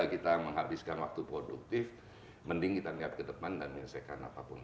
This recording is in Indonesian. kita menghabiskan waktu produktif mending kita lihat ke depan dan menyelesaikan apapun